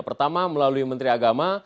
pertama melalui menteri agama